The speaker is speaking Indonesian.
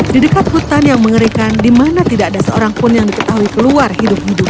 di dekat hutan yang mengerikan di mana tidak ada seorang pun yang diketahui keluar hidup hidup